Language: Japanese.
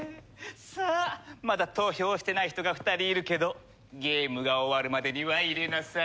さあまだ投票してない人が２人いるけどゲームが終わるまでには入れなさいよ。